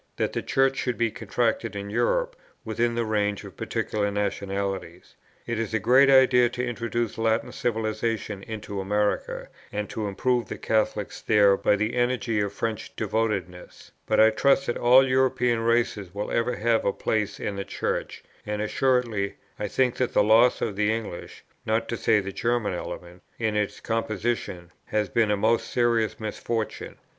that the Church should be contracted in Europe within the range of particular nationalities. It is a great idea to introduce Latin civilization into America, and to improve the Catholics there by the energy of French devotedness; but I trust that all European races will ever have a place in the Church, and assuredly I think that the loss of the English, not to say the German element, in its composition has been a most serious misfortune.